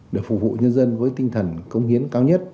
để phục vụ nhân dân với tinh thần công hiến cao nhất